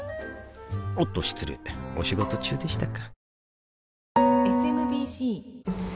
おっと失礼お仕事中でしたか